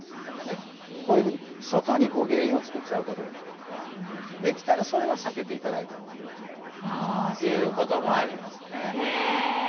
こういうふうに外に原因を作っちゃうことになるからできたらそれは避けて頂いた方がいいかなということもありますね。